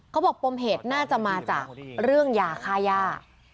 ปมเหตุน่าจะมาจากเรื่องยาฆ่าย่า